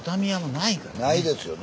ないですよね。